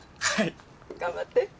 はい！頑張って。